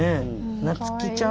なつきちゃん。